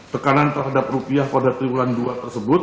tekanan terhadap rupiah pada triwulan dua tersebut